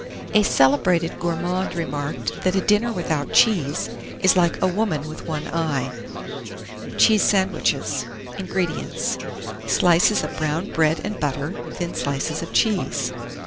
A celebrated gourmand remarked that a dinner without cheese is like a woman with one eye. CHEESE SANDWICHES. 1641. INGREDIENTS. Slices of brown bread and butter, thin slices of cheese.